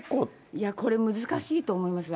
いや、これ難しいと思いますよ。